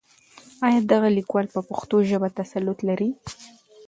آيا دغه ليکوال په پښتو ژبه تسلط لري؟